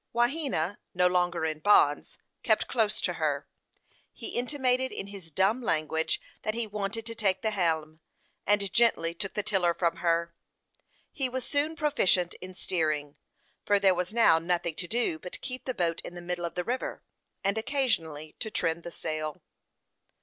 Wahena, no longer in bonds, kept close to her. He intimated in his dumb language that he wanted to take the helm, and gently took the tiller from her. He was soon proficient in steering, for there was now nothing to do but keep the boat in the middle of the river, and occasionally to trim the sail.